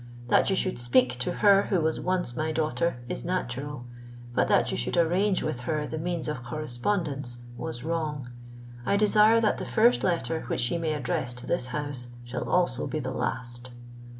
That you should speak to her who was once my daughter, is natural. But that you should arrange with her the means of correspondence, was wrong. I desire that the first letter which she may address to this house, shall also be the last."